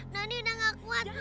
noni udah ga kuat ma